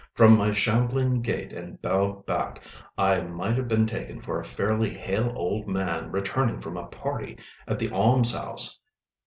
From my shambling gait, and bowed back, I might have been taken for a fairly hale old man returning from a party at the almshouse.